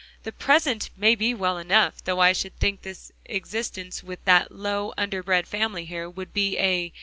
"The present may be well enough; though I should think existence with that low, underbred family here, would be a"?